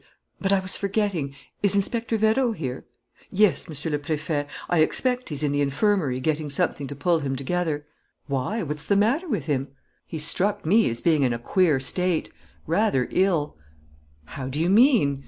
But I was forgetting: is Inspector Vérot here?" "Yes, Monsieur le Préfet. I expect he's in the infirmary getting something to pull him together." "Why, what's the matter with him?" "He struck me as being in a queer state rather ill." "How do you mean?"